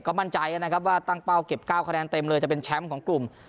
ก็มั่นใจนะครับว่าตั้งเป้าเก็บ๙คะแนนเต็มเลยจะเป็นแชมป์ของกลุ่ม